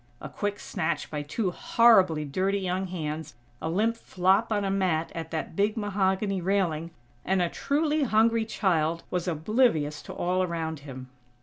A quick snatch by two horribly dirty young hands, a limp flop on a mat at that big mahogany railing, and a truly hungry child was oblivious to all around him.